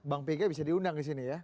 bang pg bisa diundang di sini ya